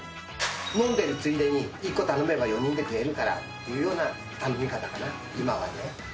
飲んでるついでに１個頼めば４人で食えるかなっていうような、頼み方かな、今はね。